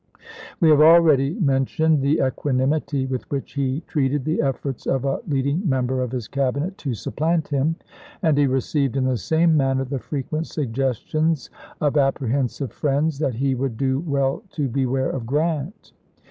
We have already mentioned the equanimity with which he treated the efforts of a leading member of his Cabinet to supplant him, and he received in the same manner the frequent suggestions of apprehensive friends that he would do well to beware of Grant.